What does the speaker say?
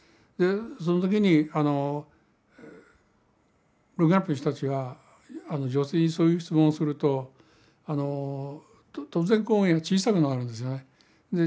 その時にあのロンゲラップの人たちは女性にそういう質問をすると突然声が小さくなるんですよね。